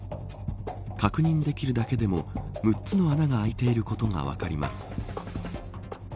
確認できるだけでも６つの穴が開いていることが分かります。